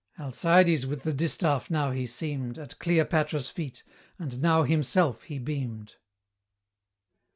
Alcides with the distaff now he seemed At Cleopatra's feet, and now himself he beamed.